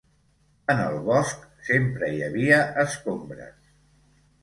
En el bosc sempre hi havia escombres.